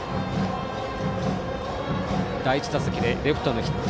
第１打席でレフトへのヒット。